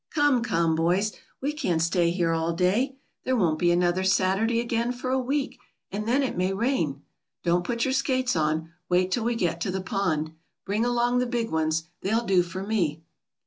"Come, come, boys, we can't stay here all day. There won't be another Saturday again for a week, and then it may rain. Don't put your skates on. Wait till we get to the pond. Bring along the big ones. They'll do for me."